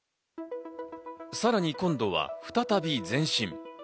さらに今度は再び前進。